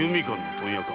問屋か。